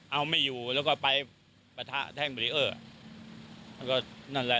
เอาไม่อยู่แล้วก็ไปปะทะแท่งบริเอ้อ